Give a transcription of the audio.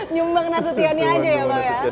nyumbang nasutionnya aja ya bang ya